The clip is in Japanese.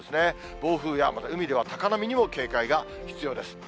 暴風や、また海では高波にも警戒が必要です。